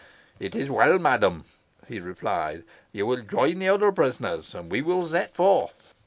"It is well, madam," he replied. "You will join the other prisoners, and we will set forth."